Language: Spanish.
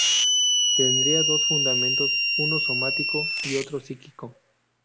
Tendría dos fundamentos: uno somático y otro psíquico.